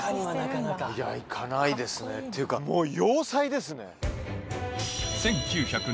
いや行かないですねっていうかもう。